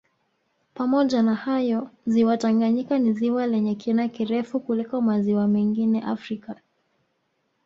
Pamoja na hayo ziwa Tanganyika ni ziwa lenye kina kirefu kuliko maziwa mengine Afrika